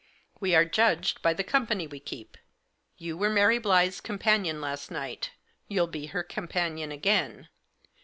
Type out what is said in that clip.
We are judged by the company we keep. You were Mary Blyth's companion last night ; you'll be her companion again.